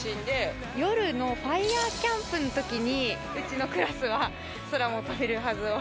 女性：夜のファイヤーキャンプの時にうちのクラスは「空も飛べるはず」を。